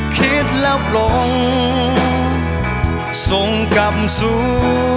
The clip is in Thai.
คิดแล้วปลงส่งกลับสู่